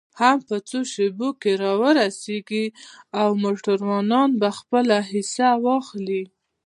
هم په څو شیبو کې را ورسېږي او موټروانان به خپله حصه واخلي.